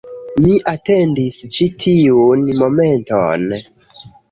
Mi atendis ĉi tiun momenton